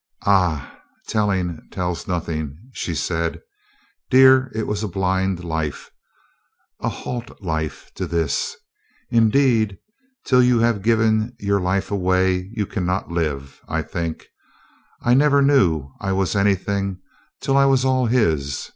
"Ah, telling tells nothing," she said. "Dear, it was blind life, a halt life to this. Indeed, till you have given your life away, you can not live, I think. I never knew I w,as anything till I was all his.